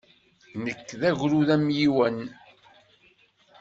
Nekk d agrud amyiwen.